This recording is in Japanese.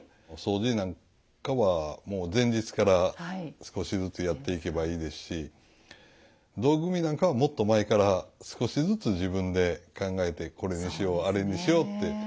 掃除なんかはもう前日から少しずつやっていけばいいですし道具組みなんかはもっと前から少しずつ自分で考えてこれにしようあれにしようって。